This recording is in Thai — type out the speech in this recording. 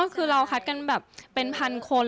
คือเราคัดกันแบบเป็นพันคน